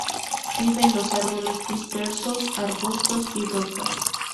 Viven en los árboles dispersos, arbustos y rocas.